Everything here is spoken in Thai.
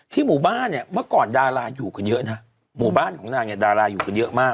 หมู่บ้านเนี่ยเมื่อก่อนดาราอยู่กันเยอะนะหมู่บ้านของนางเนี่ยดาราอยู่กันเยอะมาก